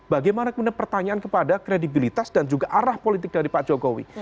bagaimana kemudian pertanyaan kepada kredibilitas dan juga arah politik dari pak jokowi